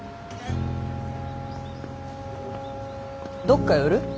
どっか寄る？